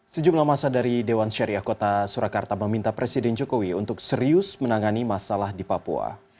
sejumlah masa dari dewan syariah kota surakarta meminta presiden jokowi untuk serius menangani masalah di papua